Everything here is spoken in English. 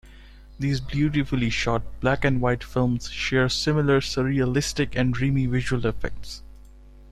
These beautifully shot, black and white films share similar surrealistic and dreamy visual effects.